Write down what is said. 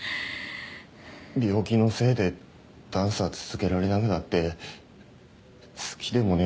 病気のせいでダンサー続けられなぐなって好きでもねえ